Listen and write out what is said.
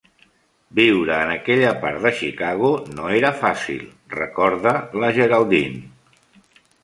Viure en aquella part de Chicago no era fàcil, recorda la Geraldine.